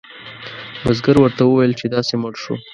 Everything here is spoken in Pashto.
بزګر ورته وویل چې داسې مړ شو.